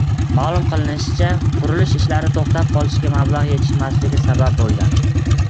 Ma’lum qilinishicha, qurilish ishlari to‘xtab qolishiga mablag‘ yetishmasligi sabab bo‘lgan